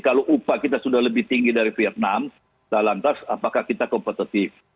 kalau upah kita sudah lebih tinggi dari vietnam lantas apakah kita kompetitif